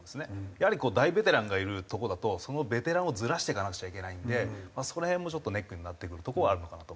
やはり大ベテランがいるとこだとそのベテランをずらしていかなくちゃいけないんでその辺もネックになってくるとこはあるのかなと。